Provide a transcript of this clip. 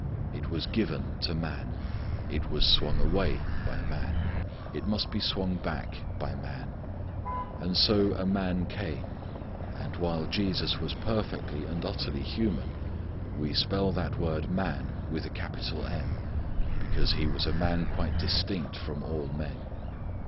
It was given to man. It was swung away by man. It must be swung back by man. And so a Man came, and while Jesus was perfectly and utterly human, we spell that word Man with a capital M because He was a man quite distinct from all men.